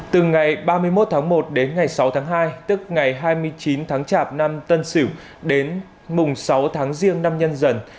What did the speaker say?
từ ngày ba mươi một tháng một đến ngày sáu tháng hai tức ngày hai mươi chín tháng chạp năm tân sửu đến mùng sáu tháng riêng năm nhân dần